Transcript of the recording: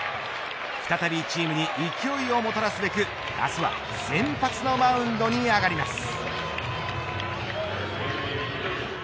再びチームに勢いをもたらすべく明日は先発のマウンドに上がります。